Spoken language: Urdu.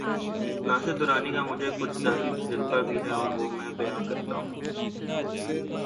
ناصر درانی کا مجھے کچھ ذاتی تجربہ بھی ہے‘ اور وہ میں بیان کرتا ہوں۔